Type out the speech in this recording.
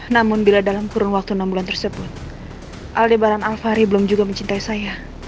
namun bila dalam kurun waktu enam bulan tersebut aldebaran alvari belum juga mencintai saya